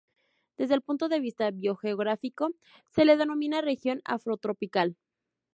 Desde el punto de vista biogeográfico, se le denomina región Afrotropical.